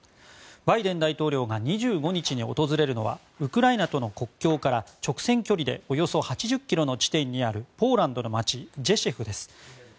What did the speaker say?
バイデン大統領が２５日に訪れるのはウクライナの国境から直線距離でおよそ８０ｋｍの地点にあるポーランドの街ジェシュフです。